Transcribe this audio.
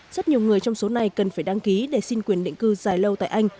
rất nhiều người trong số này cần phải đăng ký để xin quyền định cư dài lâu tại anh